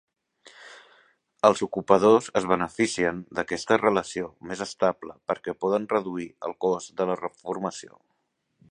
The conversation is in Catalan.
Els ocupadors es beneficien d"aquesta relació més estable perquè poden reduir el cost de la formació.